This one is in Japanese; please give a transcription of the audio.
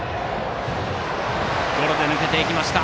ゴロで抜けていきました。